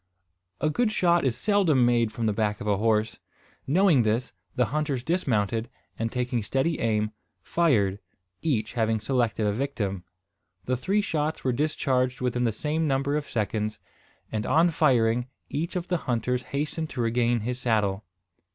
A good shot is seldom made from the back of a horse. Knowing this, the hunters dismounted; and, taking steady aim, fired, each having selected a victim. The three shots were discharged within the same number of seconds; and, on firing, each of the hunters hastened to regain his saddle.